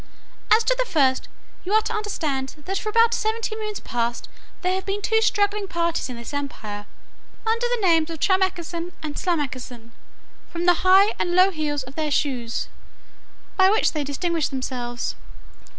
As to the first, you are to understand, that for about seventy moons past there have been two struggling parties in this empire, under the names of Tramecksan and Slamecksan, from the high and low heels of their shoes, by which they distinguish themselves.